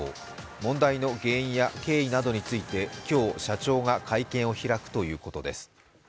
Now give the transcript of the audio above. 問題の原因や経緯などについて今日、社長が会見を開くということです。